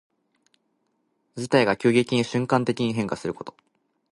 事態が急激に瞬間的に変化すること。